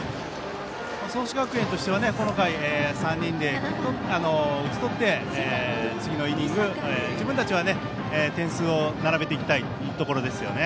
創志学園としてはこの回３人で打ち取って次のイニング自分たちは点数を並べたいです。